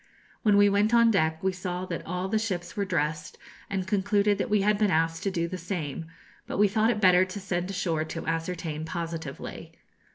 When we went on deck, we saw that all the ships were dressed, and concluded that we had been asked to do the same; but we thought it better to send ashore to ascertain positively.